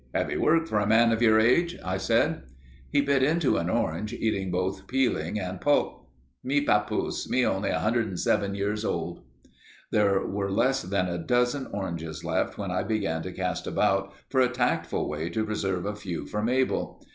"Heavy work for a man of your age," I said. He bit into an orange, eating both peeling and pulp. "Me papoose. Me only 107 years old." There were less than a dozen oranges left when I began to cast about for a tactful way to preserve a few for Mabel.